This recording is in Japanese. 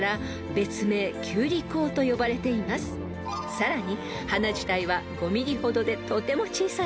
［さらに］